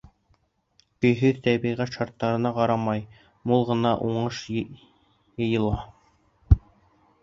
Көйһөҙ тәбиғәт шарттарына ҡарамай, мул ғына уңыш йыйыла.